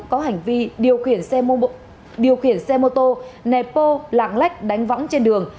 có hành vi điều khiển xe mô tô nẹp bô lạng lách đánh võng trên đường